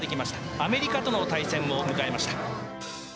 アメリカとの対戦を迎えました。